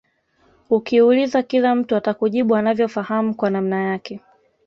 Ukiuliza kila mtu atakujibu anavyofahamu kwa namna yake